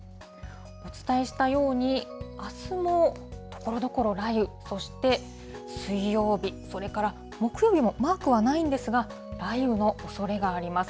お伝えしたように、あすも、ところどころ雷雨、そして水曜日、それから木曜日もマークはないんですが、雷雨のおそれがあります。